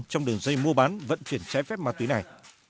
trong đường dây mua bán vận chuyển trái phép ma túy này